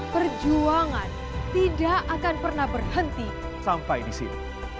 perjuangan tidak akan pernah berhenti sampai di sini